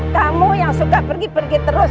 kamu yang suka pergi pergi terus